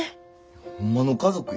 ホンマの家族や。